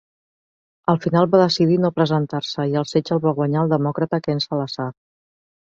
Al final, va decidir no presentar-se, i el setge el va guanyar el demòcrata Ken Salazar.